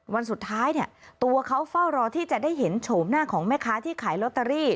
วันสุดท้ายเนี่ยตัวเขาเฝ้ารอที่จะได้เห็นโฉมหน้าของแม่ค้าที่ขายลอตเตอรี่